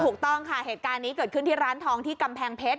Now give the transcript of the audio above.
ถูกต้องค่ะเหตุการณ์นี้เกิดขึ้นที่ร้านทองที่กำแพงเพชร